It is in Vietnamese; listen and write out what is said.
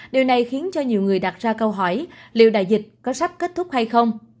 điều này khiến cho nhiều người đặt ra câu hỏi liệu đại dịch có sắp kết thúc hay không